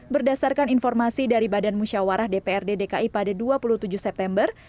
berdasarkan informasi dari badan musyawarah dprd dki pada dua puluh tujuh september